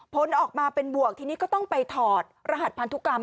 ผลออกมาเป็นบวกทีนี้ก็ต้องไปถอดรหัสพันธุกรรม